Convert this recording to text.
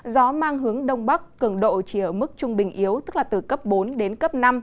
gió mang hướng đông bắc cường độ chỉ ở mức trung bình yếu tức là từ cấp bốn đến cấp năm